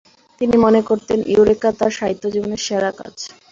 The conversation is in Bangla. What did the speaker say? তিনি মনে করতেন ইউরেকা তাঁর সাহিত্যিকজীবনের সেরা কাজ।